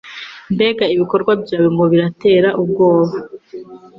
Mbega ibikorwa byawe ngo biratera ubwoba